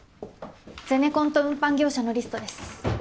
ゼネコンと運搬業者のリストです。